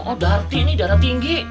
oh rt nih darah tinggi